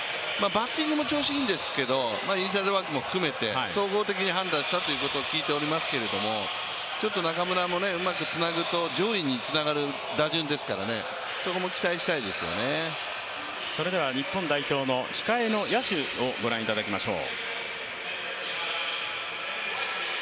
バッティングも調子いいんですけどインサイドワークもいいので総合的に判断したということを聞いてますけど、ちょっと中村もうまくつなぐと上位につながる打順ですから、それでは日本代表の控えの野手をご覧いただきましょう。